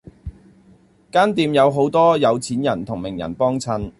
間店有好多有錢人同名人幫襯